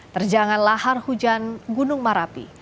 terjangan lahar hujan gunung marapi